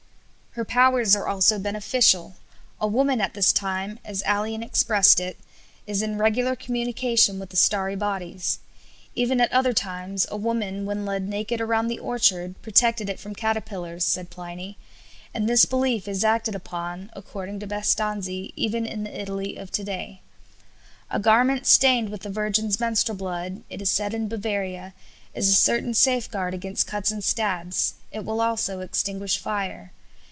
Her powers are also beneficial. A woman at this time, as Ælian expressed it, is in regular communication with the starry bodies. Even at other times a woman when led naked around the orchard protected it from caterpillars, said Pliny, and this belief is acted upon (according to Bastanzi) even in the Italy of to day. A garment stained with a virgin's menstrual blood, it is said in Bavaria, is a certain safeguard against cuts and stabs. It will also extinguish fire.